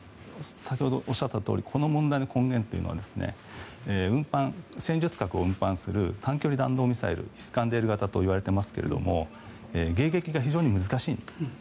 先ほどおっしゃったとおりこの問題の根源というのは戦術核を運搬する短距離弾道ミサイルイスカンデル型といわれていますが迎撃が非常に難しいんですね。